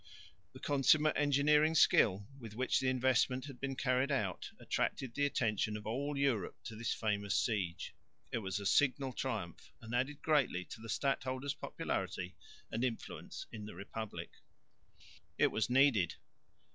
The consummate engineering skill, with which the investment had been carried out, attracted the attention of all Europe to this famous siege. It was a signal triumph and added greatly to the stadholder's popularity and influence in the republic. It was needed.